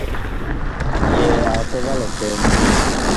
Yɛɛ ag sɔ va likɛɛ.